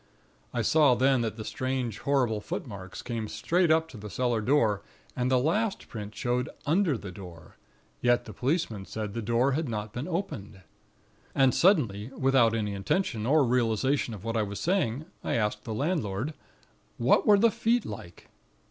I saw then that the strange, horrible footmarks came straight up to the cellar door; and the last print showed under the door; yet the policeman said the door had not been opened. "And suddenly, without any intention, or realization of what I was saying, I asked the landlord: "'What were the feet like?'